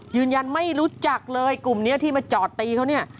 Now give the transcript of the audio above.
ยืนยันไม่รู้จักเลยกลุ่มนี้ที่มาจอดตีเขาเนี่ย